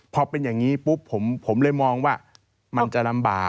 พอเป็นอย่างนี้ปุ๊บผมเลยมองว่ามันจะลำบาก